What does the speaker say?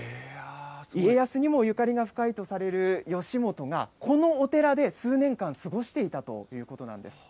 家康にもゆかりが深いとされる義元が、このお寺で数年間過ごしていたということなんです。